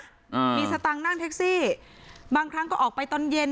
อ่ามีสตังค์นั่งแท็กซี่บางครั้งก็ออกไปตอนเย็น